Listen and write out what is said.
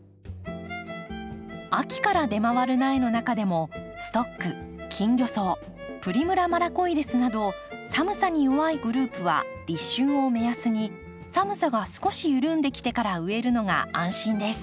秋から出回る苗の中でもストックキンギョソウプリムラ・マラコイデスなど寒さに弱いグループは立春を目安に寒さが少し緩んできてから植えるのが安心です。